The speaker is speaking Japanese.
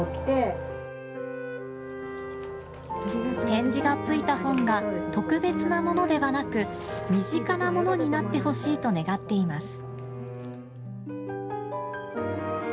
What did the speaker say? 点字が付いた本が特別なものではなく身近なものになってほしいと願っています。